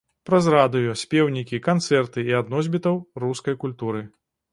Праз радыё, спеўнікі, канцэрты і ад носьбітаў рускай культуры.